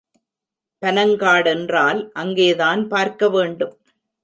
பனங்காடென்றால் அங்கேதான் பார்க்க வேண்டும்.